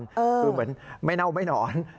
คือเหมือนไม่เน่าไม่หนอน